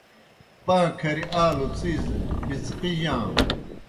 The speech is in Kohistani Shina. پاں کھریْ آلوْ څِیز پِڅقِجانوْ۔